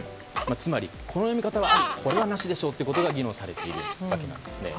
つまり、この読み方はありこれはなしでしょうってことが議論されているわけなんですね。